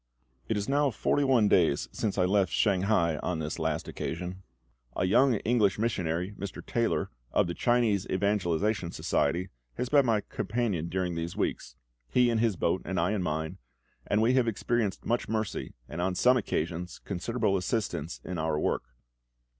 It is now forty one days since I left Shanghai on this last occasion. A young English missionary, Mr. Taylor, of the Chinese Evangelisation Society, has been my companion during these weeks he in his boat, and I in mine and we have experienced much mercy, and on some occasions considerable assistance in our work.